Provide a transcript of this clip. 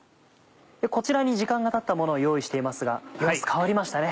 こちらに時間がたったものを用意していますが様子変わりましたね。